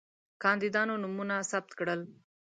کاندیدانو نومونه ثبت کړل.